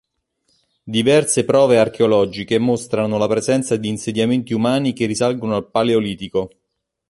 Diverse prove archeologiche mostrano la presenza di insediamenti umani che risalgono al Paleolitico.